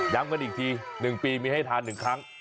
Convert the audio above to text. กันอีกที๑ปีมีให้ทาน๑ครั้ง